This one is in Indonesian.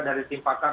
dari tim pakar